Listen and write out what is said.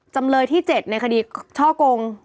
จำเลยที่๗ในคดีช่อกง